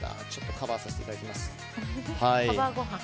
カバーさせていただきます。